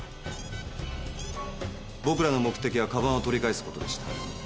僕らの目的は鞄を取り返すことでした。